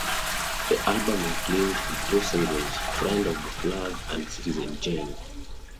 The album includes the two singles, "Friend of the Flag" and "Citizen Jane".